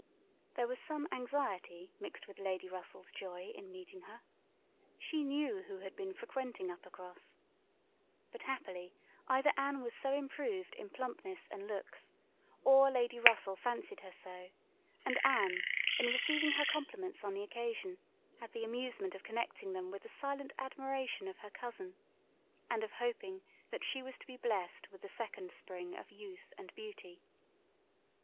There was some anxiety mixed with Lady Russell's joy in meeting her. She knew who had been frequenting Uppercross. But happily, either Anne was improved in plumpness and looks, or Lady Russell fancied her so; and Anne, in receiving her compliments on the occasion, had the amusement of connecting them with the silent admiration of her cousin, and of hoping that she was to be blessed with a second spring of youth and beauty.